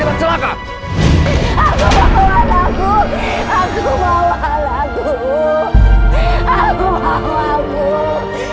bapak gak boleh kemana mana dulu